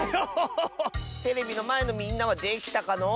テレビのまえのみんなはできたかのう？